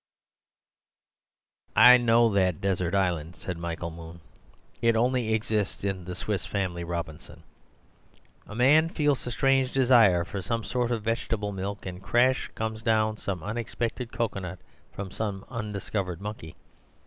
"I know that desert island," said Michael Moon; "it only exists in the 'Swiss Family Robinson.' A man feels a strange desire for some sort of vegetable milk, and crash comes down some unexpected cocoa nut from some undiscovered monkey.